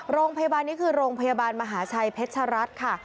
โรงพยาบาลนี้คือโรงพยาบาลมหาชัยเพชรัตน์ค่ะ